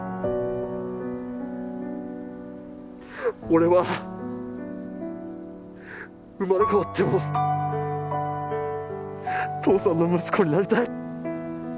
俺は生まれ変わっても父さんの息子になりたい。